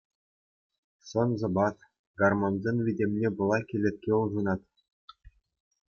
Сӑн-сӑпат, гормонсен витӗмне пула кӗлетке улшӑнать.